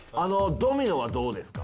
ドミノはどうですか？